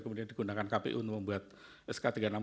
kemudian digunakan kpu untuk membuat sk tiga ratus enam puluh